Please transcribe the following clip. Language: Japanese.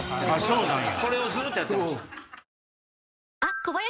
そうなんや。